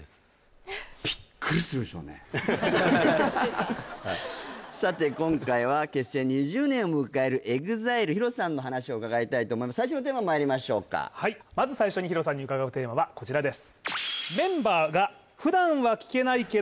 多分さて今回は結成２０年を迎えるＥＸＩＬＥＨＩＲＯさんの話を伺いたいと思います最初のテーマまいりましょうかまず最初にＨＩＲＯさんに伺うテーマはこちらです